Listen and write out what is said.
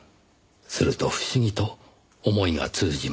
すると不思議と思いが通じました。